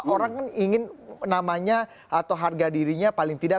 orang kan ingin namanya atau harga dirinya paling tidak